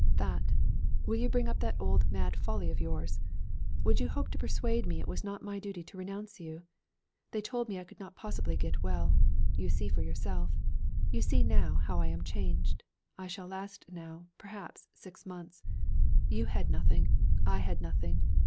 'That! Will you bring up that old mad folly of yours? Would you hope to persuade me it was not my duty to renounce you? They told me I could not possibly get well. You see for yourself. You see now how I am changed. I shall last now, perhaps, six months. You had nothing. I had nothing.